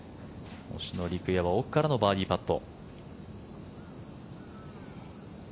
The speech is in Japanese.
星野陸也は奥からのバーディーパット。